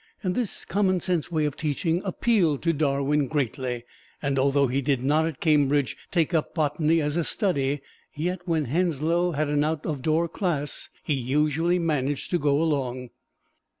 This commonsense way of teaching appealed to Darwin greatly, and although he did not at Cambridge take up botany as a study, yet when Henslow had an out of door class he usually managed to go along.